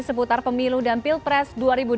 seputar pemilu dan pilpres dua ribu dua puluh